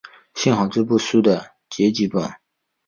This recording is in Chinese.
幸好这部书的结集本。